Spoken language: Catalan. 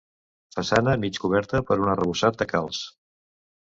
Façana mig coberta per un arrebossat de calç.